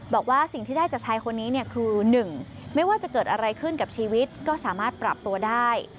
บอกว่าสิ่งที่ได้จากชายคนนี้เนี่ยคือ๑ไม่ว่าจะเกิดอะไรขึ้นกับชีวิตก็สามารถปรับตัวได้